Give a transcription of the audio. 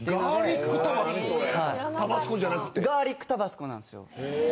ガーリックタバスコなんですよ。